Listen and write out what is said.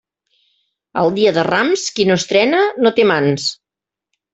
El dia de Rams, qui no estrena no té mans.